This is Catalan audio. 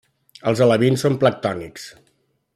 Els alevins són planctònics.